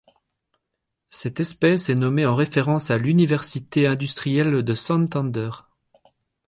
Cette espèce est nommée en référence à l'Université industrielle de Santander.